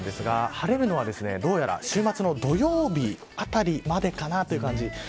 晴れるのは、どうやら週末の土曜日あたりまでかなという感じです。